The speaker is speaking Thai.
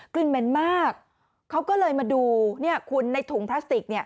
เหม็นมากเขาก็เลยมาดูเนี่ยคุณในถุงพลาสติกเนี่ย